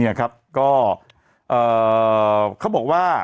นี่ครับก็เขาบอกว่า